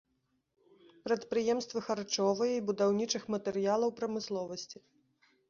Прадпрыемствы харчовай і будаўнічых матэрыялаў прамысловасці.